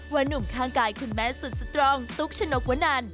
หนุ่มข้างกายคุณแม่สุดสตรองตุ๊กชนกวนัน